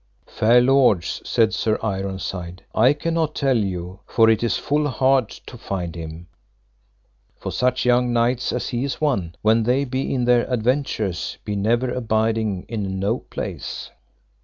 Fair lords, said Sir Ironside, I cannot tell you, for it is full hard to find him; for such young knights as he is one, when they be in their adventures be never abiding in no place.